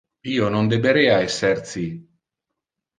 Io non deberea esser ci.